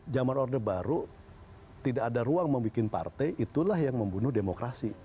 zaman orde baru tidak ada ruang membuat partai itulah yang membunuh demokrasi